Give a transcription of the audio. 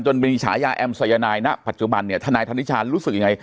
จนบิญิฉายาแอมไซญานายณ์ปัจจุบันธนายณ์ธนชาญรู้สึกยังไง